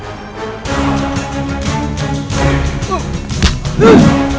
tengahnya bulat ujungnya lancip